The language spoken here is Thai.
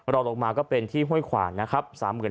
รอลงมาก็เป็นที่ห้วยขวานนะครับ